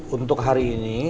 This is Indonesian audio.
untuk hari ini